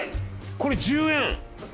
これ１０円？